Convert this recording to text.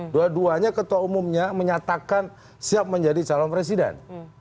dua duanya ketua umumnya menyatakan siap menjadi calon presiden